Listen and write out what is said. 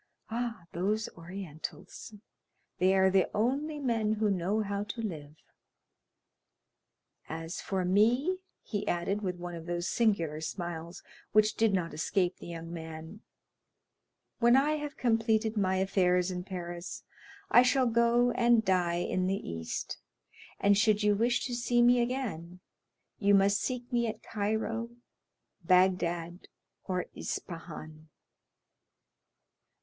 Ah, those Orientals; they are the only men who know how to live. As for me," he added, with one of those singular smiles which did not escape the young man, "when I have completed my affairs in Paris, I shall go and die in the East; and should you wish to see me again, you must seek me at Cairo, Bagdad, or Ispahan."